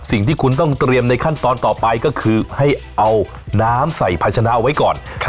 สิ่งที่คุณต้องเตรียมในขั้นตอนต่อไปก็คือให้เอาน้ำใส่ภาชนะเอาไว้ก่อน